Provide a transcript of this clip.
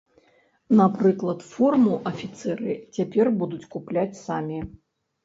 Напрыклад, форму афіцэры цяпер будуць купляць самі.